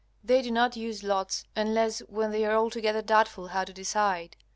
They do not use lots unless when they are altogether doubtful how to decide.